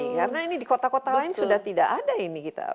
karena ini di kota kota lain sudah tidak ada ini kita